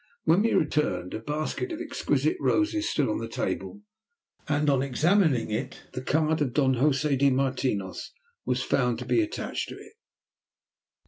When we returned, a basket of exquisite roses stood on the table, and on examining it the card of Don Josè de Martinos was found to be attached to it.